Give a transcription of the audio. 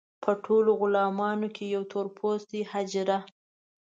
په ټولو غلامانو کې یوه تور پوستې حاجره.